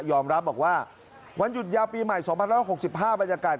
รับบอกว่าวันหยุดยาวปีใหม่๒๑๖๕บรรยากาศ